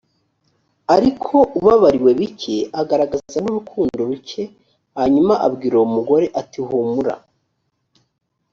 ariko ubabariwe bike agaragaza n urukundo ruke hanyuma abwira uwo mugore ati humura